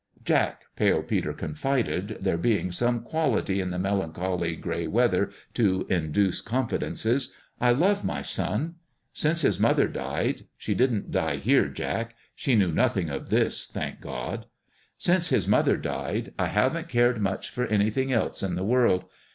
" Jack," Pale Peter confided, there being some quality in the melancholy gray weather to induce confidences, " I love my son. Since his mother died she didn't die here, Jack she knew noth ing of this, thank God ! since his mother died, I haven't cared much for anything else in the world.